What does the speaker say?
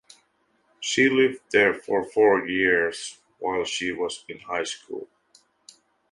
She lived there for four years while she was in high school.